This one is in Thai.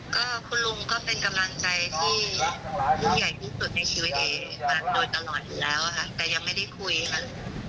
ก็คุณลุงก็เป็นกำลังใจที่ยิ่งใหญ่ที่สุดในชีวิตเอมาโดยตลอดอยู่แล้วค่ะแต่ยังไม่ได้คุยค่ะ